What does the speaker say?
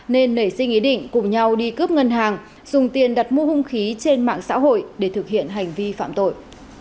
nên nảy sinh ý định cùng nhau đi cướp ngân hàng dùng tiền đặt mua hung khí trên mạng xã hội để thực hiện hành vi phạm tội